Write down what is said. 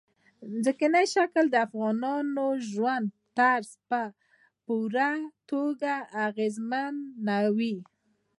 ځمکنی شکل د افغانانو د ژوند طرز هم په پوره توګه اغېزمنوي.